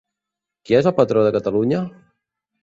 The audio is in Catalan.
Qui és el patró de Catalunya?